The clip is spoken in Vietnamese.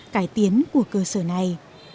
cải tiến của cơ sở này